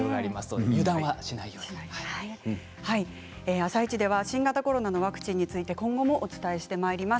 「あさイチ」では新型コロナのワクチンについて今後もお伝えしてまいります。